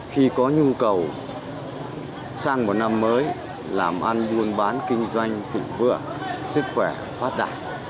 khi có nhu cầu sang một năm mới làm ăn buôn bán kinh doanh thịnh vượng sức khỏe phát đạt